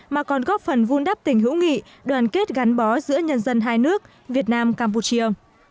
mà còn góp phần vun đắp tình hữu nghị đoàn kết gắn bó giữa nhân dân hai nước việt nam campuchia